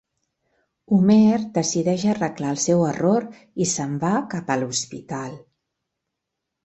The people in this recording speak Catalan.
Homer decideix arreglar el seu error i se'n va cap a l'hospital.